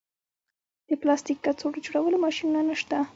د پلاستیک کڅوړو جوړولو ماشینونه شته